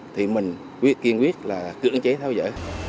thì mình kiên quyết là cưỡng chế tháo rỡ